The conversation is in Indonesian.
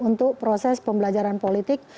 untuk proses pembelajaran politik